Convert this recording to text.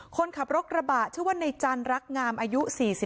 คนขับรถกระบะชื่อว่าในจันรักงามอายุ๔๒